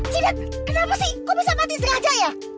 cidat kenapa sih kok bisa mati sengaja ya